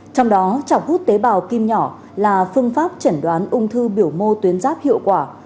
trong đó chọc hút tế bào kim nhỏ là phương pháp chẩn đoán ung thư biểu mô tuyến giáp hiệu quả